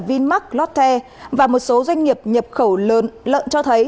vinmark lotte và một số doanh nghiệp nhập khẩu lợn cho thấy